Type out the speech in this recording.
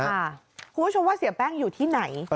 คุณผู้ชมว่าเสียแป้งอยู่ที่ไหน